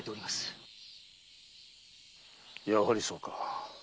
やはりそうか。